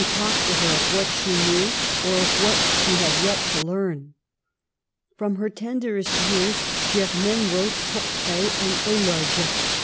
talked to her of what she knew, or of what she had yet to learn." From her tenderest years Germaine wrote por traits and ttoges.